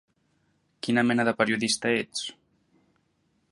Quina mena de periodista ets?